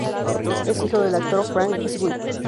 Es hijo del actor Frank Sweet.